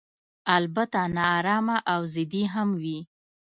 البته نا ارامه او ضدي هم وي.